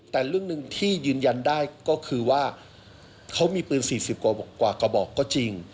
แต่เรื่องหนึ่งที่ยืนยันได้ก็คือว่าเขามีปืน๔๐กว่ากระบอกก็จริง